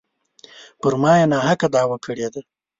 پر ما یې ناحقه دعوه کړې ده.